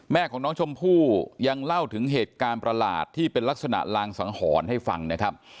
แม่ของน้องชมพู่ยังเล่าถึงเหตุการณ์ประหลาดที่เป็นลักษณะลางสังหรณ์ให้ฟังนะครับ